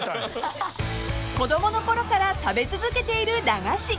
［子供の頃から食べ続けている駄菓子］